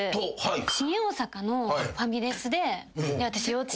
新大阪のファミレスで。